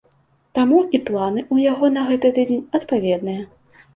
Таму і планы ў яго на гэты тыдзень адпаведныя.